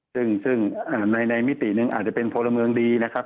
ซึ่งในมิติหนึ่งอาจจะเป็นพลเมืองดีนะครับ